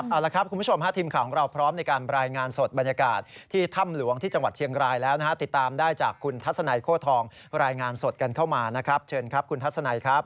เอาละครับคุณผู้ชมฮะทีมข่าวของเราพร้อมในการรายงานสดบรรยากาศที่ถ้ำหลวงที่จังหวัดเชียงรายแล้วนะฮะติดตามได้จากคุณทัศนัยโค้ทองรายงานสดกันเข้ามานะครับเชิญครับคุณทัศนัยครับ